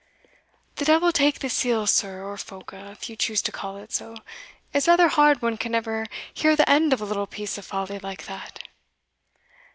"The devil take the seal, sir, or phoca, if you choose to call it so! It's rather hard one can never hear the end of a little piece of folly like that."